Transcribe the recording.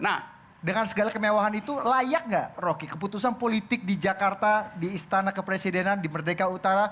nah dengan segala kemewahan itu layak nggak rocky keputusan politik di jakarta di istana kepresidenan di merdeka utara